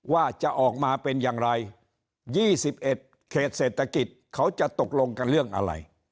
ว่าจะออกมาเป็นอย่างไร๒๑เขตเศรษฐกิจเขาจะตกลงกันเรื่องอะไร